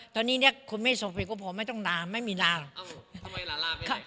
ตอนนี้เนี่ยคุณแม่โฟเฟย์ก็พอไม่ต้องลาไม่มีลาหรอก